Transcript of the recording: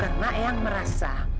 karena eang merasa